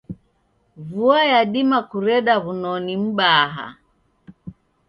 Vua yadima kureda wunoni m'baha.